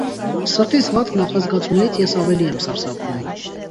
Սրտիս վատ նախազգացումներից ես ավելի եմ սարսափում…